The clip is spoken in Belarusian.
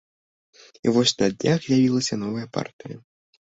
І вось на днях з'явілася новая партыя.